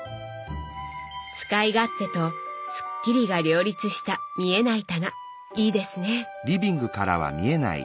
使い勝手とスッキリが両立した見えない棚いいですね！